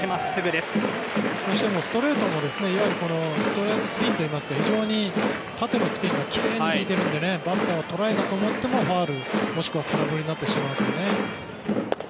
ストレートも、いわゆるストレートスピンといいますか非常に縦のスピンがきれいに効いているのでバッターは捉えたと思ってもファウル、空振りになってしまいますね。